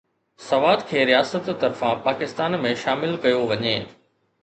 سوات کي رياست طرفان پاڪستان ۾ شامل ڪيو وڃي